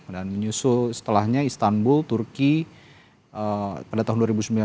dan menyusul setelahnya istanbul turki pada tahun dua ribu sembilan